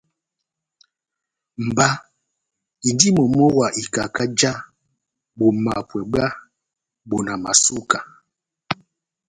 Mba indi momo wa ikaka já bomakwɛ bwá bonamasuka.